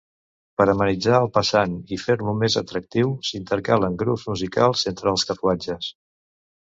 Per amenitzar el passant i fer-lo més atractiu s'intercalen grups musicals entre els carruatges.